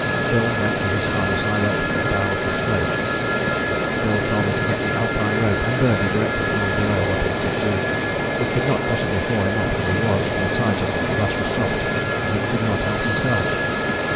Bill went for his harness, I went for the bow of the sledge: Bill told me to get the Alpine rope and Birdie directed from below what we could do. We could not possibly haul him up as he was, for the sides of the crevasse were soft and he could not help himself."